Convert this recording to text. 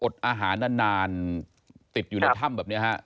อาหารนานติดอยู่ในถ้ำแบบนี้ฮะ